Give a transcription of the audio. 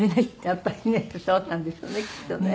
やっぱりねそうなんですよねきっとね。